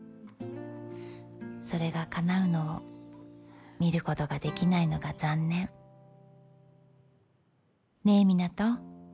それが叶うのを見ることができないのが残念。ねぇ湊人。